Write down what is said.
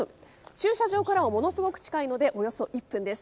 駐車場からはものすごく近いのでおよそ１分です。